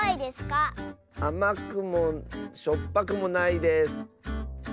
あまくもしょっぱくもないです。